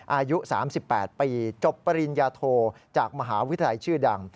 อายุ๓๘ปีจบปริญญาโทจากมหาวิทยาลัยชื่อดัง